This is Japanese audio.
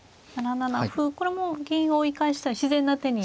７七歩これも銀を追い返した自然な手に。